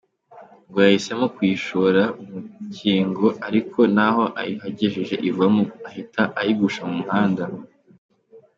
Ngo yahisemo kuyishora mu mukingo ariko naho ayihagejeje ivamo, ahita ayigusha mu muhanda.